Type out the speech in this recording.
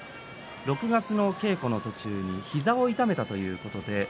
６月の稽古の途中膝を痛めたということです。